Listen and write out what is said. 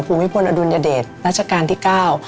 ภูมิพลอดุลยเดชรัชกาลที่เก้า